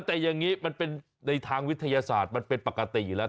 แต่อย่างนี้มันเป็นในทางวิทยาศาสตร์มันเป็นปกติอยู่แล้ว